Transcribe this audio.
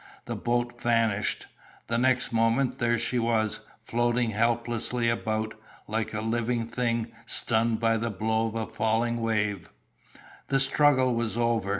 The boat vanished. The next moment, there she was, floating helplessly about, like a living thing stunned by the blow of the falling wave. The struggle was over.